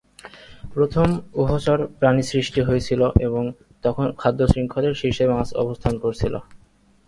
প্রথম উভচর প্রাণী সৃষ্টি হয়েছিল এবং তখন খাদ্য শৃঙ্খলের শীর্ষে মাছ অবস্থান করছিল।